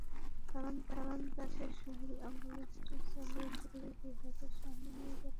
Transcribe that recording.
কারণ তাঁর নির্দেশেই সোহেল অ্যাম্বুলেন্সটি চালিয়ে জরুরি বিভাগের সামনে নিয়ে যাচ্ছিলেন।